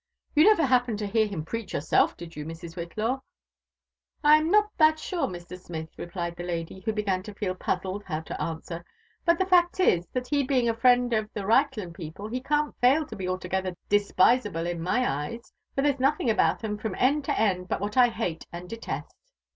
^ You never happened to hear him preach yourself, did you, Mrs. Whitlaw?" *' I am not that sure, Mr. Smith," replied the lady, who began to feel puzzled how to answer; '' but the fact is, that he being a friend of the Reichland people, he can' t fail to be altogether dispisable in my eyes, for there's nothing about 'em from end to end but what I hate and detest."